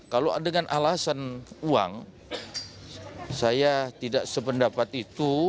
kalau dengan alasan uang saya tidak sependapat itu